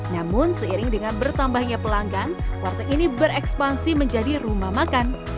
namun seiring dengan bertambahnya pelanggan warteg ini berekspansi menjadi rumah makan